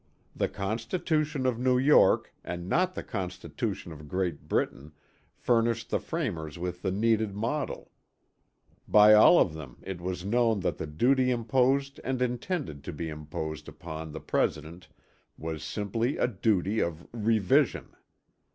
The constitution of New York and not the constitution of Great Britain furnished the framers with the needed model. By all of them it was known that the duty imposed and intended to be imposed upon the President was simply a duty of "revision."